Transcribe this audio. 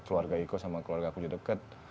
keluarga iko sama keluarga aku juga dekat